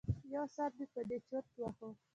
یو ساعت مې په دې چرت وهه.